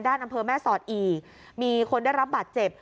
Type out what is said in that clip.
อำเภอแม่สอดอีกมีคนได้รับบาดเจ็บ